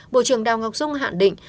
bộ trưởng đào ngọc dung hạn định